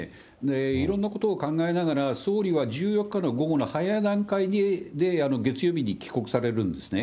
いろんなことを考えながら、総理は１４日の午後の早い段階で月曜日に帰国されるんですね。